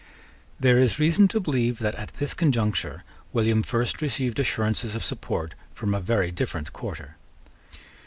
There is reason to believe that, at this conjuncture, William first received assurances of support from a very different quarter.